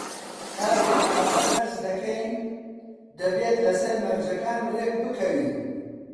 کاتێک پارە قەرز دەکەین، دەبێت لەسەر مەرجەکان ڕێکبکەوین.